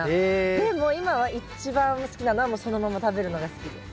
でも今は一番好きなのはもうそのまま食べるのが好きです。